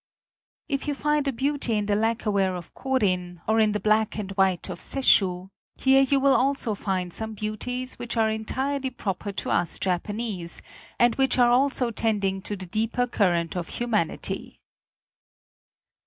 If you find a beauty in the lacquerware of Korin, or in the black and white of Sesshu, here you will also find some beauties which are entirely proper to us Japanese, and which also are tending to the deeper current of humanity.